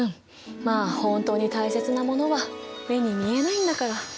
まあ本当に大切なものは目に見えないんだから！